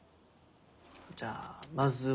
じゃあまずはここ！